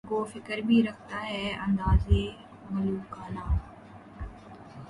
گو فقر بھی رکھتا ہے انداز ملوکانہ